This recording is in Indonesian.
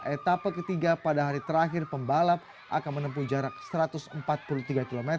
etapa ketiga pada hari terakhir pembalap akan menempuh jarak satu ratus empat puluh tiga km